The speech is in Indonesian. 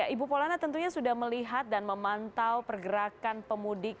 ibu polana tentunya sudah melihat dan memantau pergerakan pemudik